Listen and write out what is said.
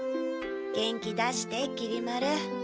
元気出してきり丸。